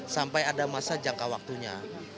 sampai ada masa jangka waktunya